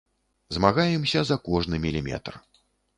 Змагаемся за кожны міліметр.